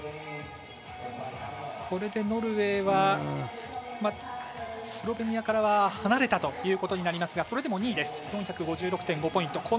これでノルウェーはスロベニアからは離れたということになりますがそれでも２位です２５６．５ポイント。